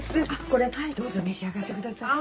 これどうぞ召し上がってください。